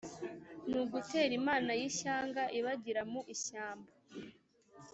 Nagutera Imana y'ishyanga ibagira mu ishyamba-